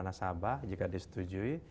nasabah jika disetujui